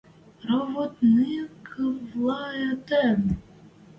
– Ровотньыквлӓэтӹм?